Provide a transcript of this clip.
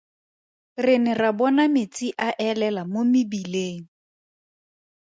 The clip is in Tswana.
Re ne ra bona metsi a elela mo mebileng.